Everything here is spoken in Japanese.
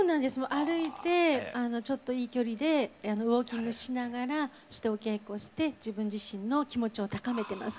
歩いてちょっといい距離でウォーキングしながらお稽古して自分自身の気持ちを高めてます。